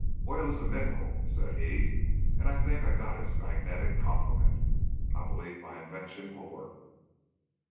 'Oil is a mineral,' said he, 'and I think I've got its magnetic complement. I believe my invention will work.'